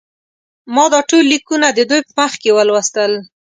ما دا ټول لیکونه د دوی په مخ کې ولوستل.